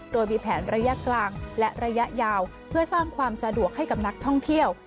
โดยมีแผนระยะกลางและระยะยาวเพื่อสร้างความสะดวกให้กับนักท่องเที่ยว